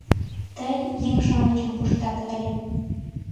Тый еҥ-шамычым пуштат ыле!